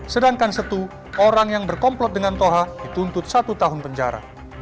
sedangkan setu orang yang berkomplot dengan toha dituntut satu tahun penjara